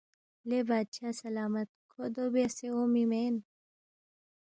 لے بادشاہ سلامت کھو دو بیاسے اونگمی مین